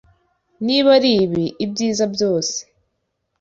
Niba aribi, ibyiza byose.